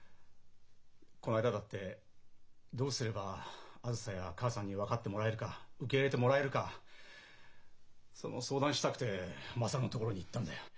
こないだだってどうすればあづさや母さんに分かってもらえるか受け入れてもらえるかその相談したくて優のところに行ったんだよ。